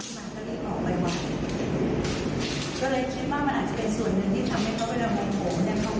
เพราะมีพอเราเห็นว่ารถเสียหายแล้วก็เปิดความผิดและก็ช่วยอาการที่เป็นอยู่ครับ